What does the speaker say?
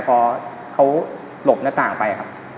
พอเขาหลบหน้าตาไป